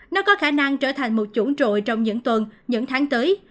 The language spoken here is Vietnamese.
nó có khả năng trở thành một chủ trội trong những tuần những tháng tới